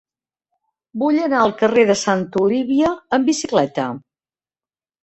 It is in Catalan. Vull anar al carrer de Santa Olívia amb bicicleta.